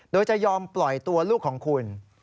โดยจะยอมปล่อยตัวลูกของคุณ